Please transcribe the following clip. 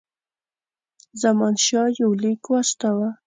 زمانشاه یو لیک واستاوه.